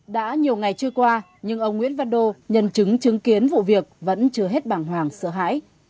đã nhiều ngày trôi qua nhưng ông nguyễn văn đô nhân chứng chứng kiến vụ việc vẫn chưa hết bảng hoàng sợ hãi